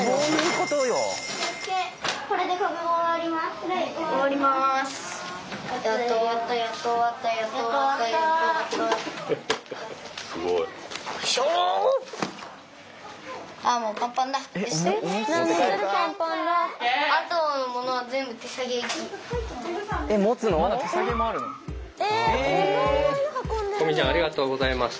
ここみちゃんありがとうございました。